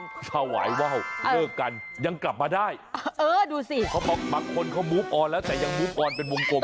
เขาถวายว่าวเลิกกันยังกลับมาได้เออดูสิเขาบอกบางคนเขามูฟออนแล้วแต่ยังมูฟออนเป็นวงกลม